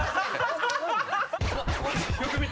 よく見て。